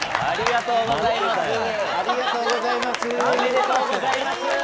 ありがとうございます。